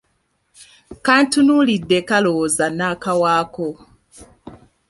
Kantunuulidde kalowooza nnaakawaako.